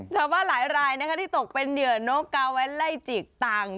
ชาวบ้านหลายที่ตกเป็นเหยื่อนนกกาไว้ไล่จิกต่าง